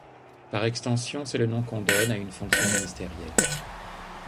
Par extension c'est le nom qu'on donne à une fonction ministérielle.